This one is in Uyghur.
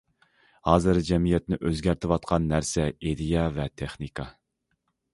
ھازىر جەمئىيەتنى ئۆزگەرتىۋاتقان نەرسە ئىدىيە ۋە تېخنىكا.